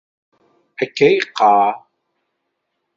Akka i yeqqar.